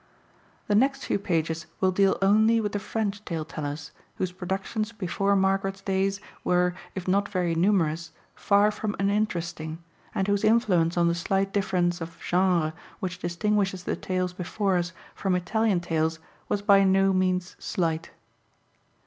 The next few pages will deal only with the French tale tellers, whose productions before Margaret's days were, if not very numerous, far from uninteresting, and whose influence on the slight difference of genre which distinguishes the tales before us from Italian tales was by no means slight.